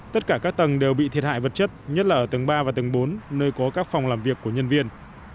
tất cả các tầng đều bị thiệt hại vật chất nhất là ở tầng ba và tầng bốn nơi có các phòng làm việc của nhân viên